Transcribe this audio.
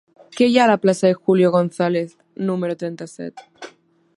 Què hi ha a la plaça de Julio González número trenta-set?